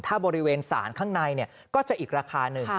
ถ้าบริเวณศาลข้างในก็จะอีกราคาหนึ่ง